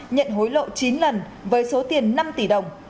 nhận hối lộ chín lần với số tiền năm tỷ đồng